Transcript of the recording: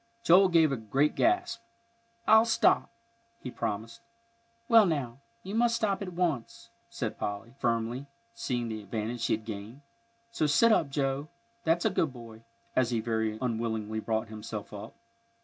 Joel gave a great gasp. "I'll stop," he promised. "Well, now, you must stop at once," said Polly, firmly, seeing the advantage she had gained. "So sit up, Joe, that's a good boy," as he very unwillingly brought himself up.